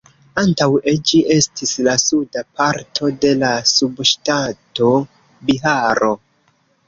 Antaŭe, ĝi estis la suda parto de la subŝtato Biharo.